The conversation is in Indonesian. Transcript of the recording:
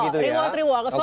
ada reward begitu ya